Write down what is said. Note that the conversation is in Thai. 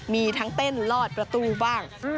มีทั้งเต้นลอดประตูบ้าง